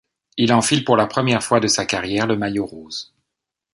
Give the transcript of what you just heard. Il enfile pour la première fois de sa carrière le maillot rose.